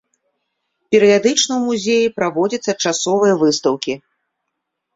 Перыядычна ў музеі праводзяцца часовыя выстаўкі.